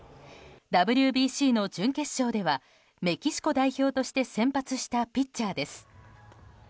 ＷＢＣの準決勝ではメキシコ代表として先発したピッチャーです。